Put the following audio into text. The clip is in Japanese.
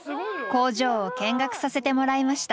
工場を見学させてもらいました。